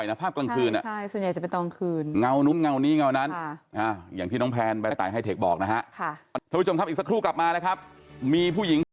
เงาเนี่ย